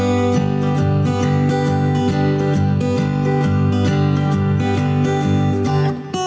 res tradisional mesin merah